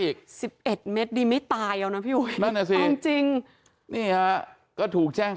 อีก๑๑เมตรดีไม่ตายเอานะพี่อุ๋ยนั่นน่ะสิจริงนี่ฮะก็ถูกแจ้ง